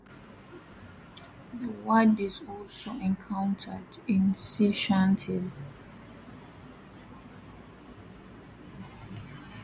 The word is also encountered in sea shanties.